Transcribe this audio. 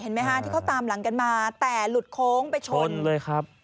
ไหมคะที่เขาตามหลังกันมาแต่หลุดโค้งไปชนเลยครับ